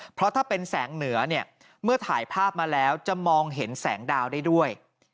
เพราะถ้าเป็นแสงเหนือเนี่ยเมื่อถ่ายภาพมาแล้วจะมองเห็นแสงดาวได้ด้วย